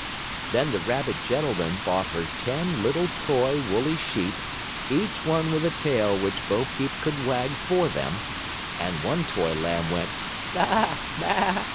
Then the rabbit gentleman bought her ten little toy, woolly sheep, each one with a tail which Bo Peep could wag for them, and one toy lamb went: "Baa! Baa!